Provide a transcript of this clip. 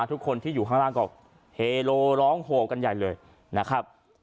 ทุกคนที่อยู่ข้างล่างก็เฮโลร้องโหกันใหญ่เลยนะครับ